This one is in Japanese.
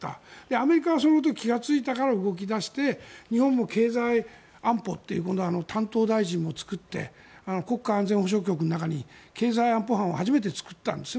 アメリカはそれに気がついたから動き出して日本も経済安保という今度、担当大臣も作って国家安全保障局の中に経済安保班を初めて作ったんですね。